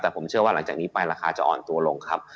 แต่ผมเชื่อว่าหลังจากนี้ไปราคาจะอ่อนตัวลงครับ